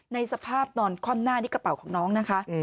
ในสภาพนอนคว่ำหน้านี่กระเป๋าของน้องนะคะ